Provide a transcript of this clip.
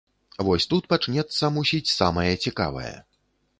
Вось тут пачнецца, мусіць, самае цікавае.